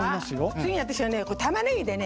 次に私はねたまねぎでねえ